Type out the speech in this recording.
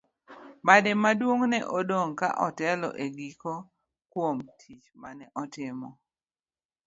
Bade maduong' ne odong' ka otelo e giko kuom tich mane otimo.